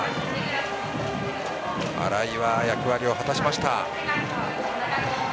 新井は役割を果たしました。